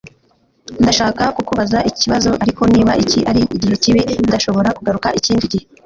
Ndashaka kukubaza ikibazo, ariko niba iki ari igihe kibi, ndashobora kugaruka ikindi gihe.